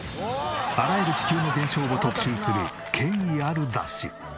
あらゆる地球の現象を特集する権威ある雑誌。